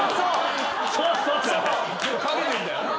かけてんだよな。